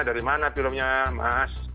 di mana filmnya mas